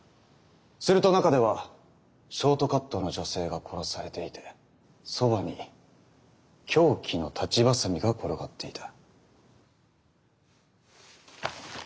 すると中ではショートカットの女性が殺されていてそばに凶器の裁ちバサミが転がっていた。